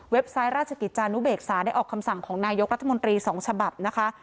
ไซต์ราชกิจจานุเบกษาได้ออกคำสั่งของนายกรัฐมนตรี๒ฉบับนะคะ